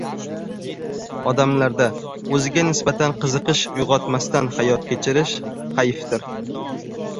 Odamlarda o‘ziga nisbatan qiziqish uyg‘otmasdan hayot kechirish hayfdir.